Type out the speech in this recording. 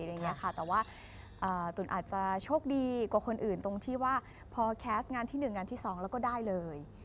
แต่ว่าตุ๋นอาจจะโชคดีกว่าคนอื่นตรงที่ว่าพอแคสต์งานที่๑งานที่๒แล้วก็ได้เลย